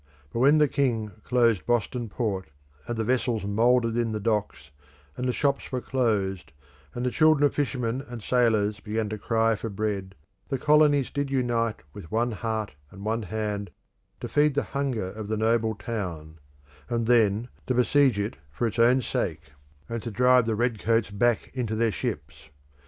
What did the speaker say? But when the king closed Boston Port, and the vessels mouldered in the docks, and the shops were closed, and the children of fishermen and sailors began to cry for bread, the colonies did unite with one heart and one hand to feed the hunger of the noble town; and then to besiege it for its own sake, and to drive the red coats back into their ships.